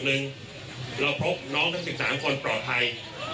หนึ่งเราพบน้องทั้งสิบสามคนปลอดภัย